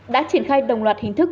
đã triển khai đồng loạt hình thức